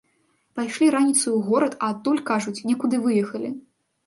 Пайшлі раніцаю ў горад, а адтуль, кажуць, некуды выехалі.